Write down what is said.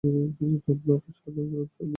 ব্লকের সদর গ্রাম সালিকা।